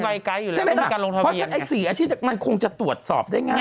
ใช่ไหมนะเพราะฉะนั้นไอ้สี่อาชีพมันคงจะตรวจสอบได้ไง